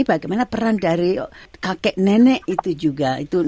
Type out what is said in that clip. bagaimana peran dari kakek nenek itu juga